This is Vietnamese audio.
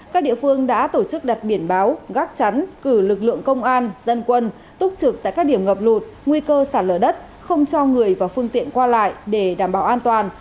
các địa phương đã tổ chức đặt biển báo gác chắn cử lực lượng công an dân quân túc trực tại các điểm ngập lụt nguy cơ sạt lở đất không cho người và phương tiện qua lại để đảm bảo an toàn